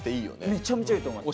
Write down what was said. めちゃめちゃいいと思います。